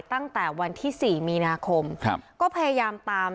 ตั้งแต่วันที่สี่มีนาคมครับก็พยายามตาม